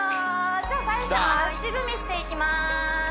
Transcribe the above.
じゃあ最初は足踏みしていきます